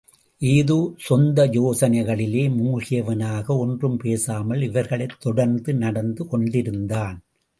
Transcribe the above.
ஏதோ சொந்த யோசனைகளிலே மூழ்கியவனாக ஒன்றும் பேசாமல் இவர்களைத் தொடர்ந்து நடந்து கொண்டிருந்தான்.